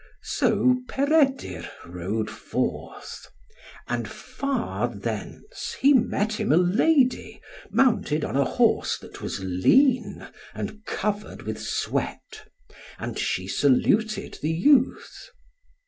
So Peredur rode forth. And far thence there met him a lady, mounted on a horse that was lean, and covered with sweat; and she saluted the youth.